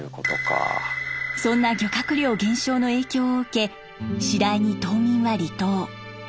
そんな漁獲量減少の影響を受け次第に島民は離島。